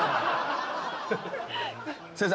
先生